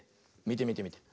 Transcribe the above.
みてみてみて。